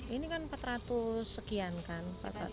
ini kan empat ratus sekian kan